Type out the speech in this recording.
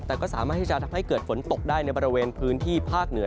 แต่ก็สามารถที่จะทำให้เกิดฝนตกได้ในบริเวณพื้นที่ภาคเหนือ